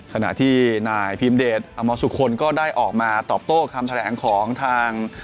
ขณะที่นายพิมเดชอมรสุคลก็ได้ออกมาตอบโต้คำแถลงของทาง